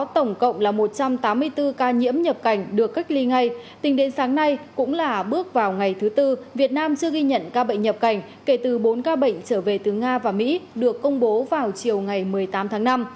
tổng cộng là một trăm tám mươi bốn ca nhiễm nhập cảnh được cách ly ngay tính đến sáng nay cũng là bước vào ngày thứ tư việt nam chưa ghi nhận ca bệnh nhập cảnh kể từ bốn ca bệnh trở về từ nga và mỹ được công bố vào chiều ngày một mươi tám tháng năm